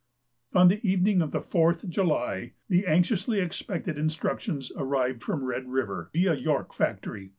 On the evening of the 4th July the anxiously expected instructions arrived from Red River, viâ York Factory.